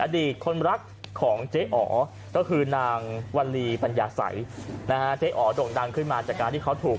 อดีตคนรักของเจ๊อ๋อก็คือนางวัลลีปัญญาสัยนะฮะเจ๊อ๋อโด่งดังขึ้นมาจากการที่เขาถูก